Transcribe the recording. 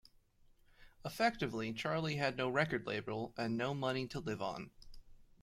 Effectively Charlie had no record label and no money to live on.